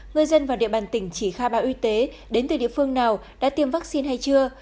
người dân và địa bàn tỉnh chỉ khai báo y tế đến từ địa phương nào đã tiêm vaccine hay chưa